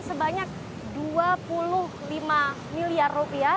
sebanyak dua puluh lima miliar rupiah